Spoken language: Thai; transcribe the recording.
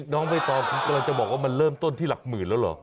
น้องใบตองคุณกำลังจะบอกว่ามันเริ่มต้นที่หลักหมื่นแล้วเหรอ